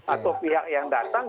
atau pihak yang datang